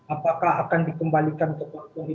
apakah akan dikembalikan ke